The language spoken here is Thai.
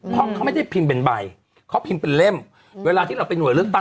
เพราะเขาไม่ได้พิมพ์เป็นใบเขาพิมพ์เป็นเล่มเวลาที่เราเป็นหน่วยเลือกตั้ง